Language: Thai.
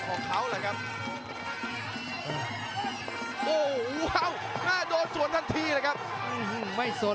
โอ้โหพัฒนาการของแกนี่ต้องบอกว่ายอดเยี่ยมเลยครับหลิวมอตุ๋น